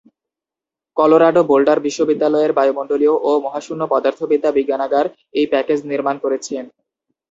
Colorado Boulder বিশ্ববিদ্যালয়ের বায়ুমন্ডলীয় ও মহাশূন্য পদার্থবিদ্যা বিজ্ঞানাগার এই প্যাকেজ নির্মাণ করেছে।